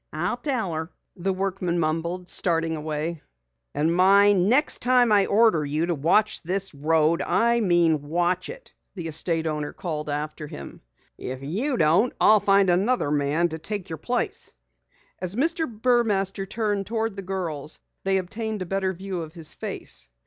"I'll tell her," the workman mumbled, starting away. "And mind, next time I order you to watch this road, I mean watch it!" the estate owner called after him. "If you don't, I'll find another man to take your place." As Mr. Burmaster turned toward the girls, they obtained a better view of his face.